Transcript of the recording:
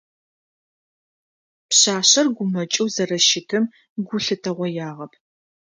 Пшъашъэр гумэкӏэу зэрэщытым гу лъытэгъоягъэп.